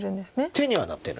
手にはなってる。